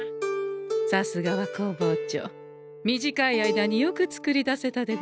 さすがは工房長短い間によく作り出せたでござんすね。